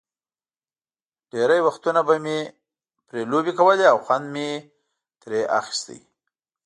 ډېری وختونه به مې پرې لوبې کولې او خوند مې ترې اخیست.